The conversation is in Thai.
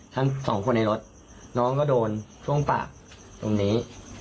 ทั้งสองคนในรถน้องก็โดนช่วงปากตรงนี้